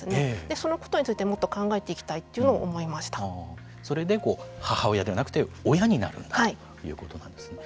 そのことについてもっと考えていきたいというのをそれで母親でなくて親になるんだということなんですね。